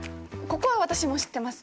ここは私も知ってます。